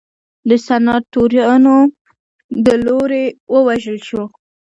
د سناتورانو له لوري ووژل شو.